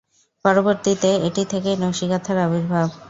পরবর্তীতে এটি থেকেই নকশি কাঁথার আবির্ভাব।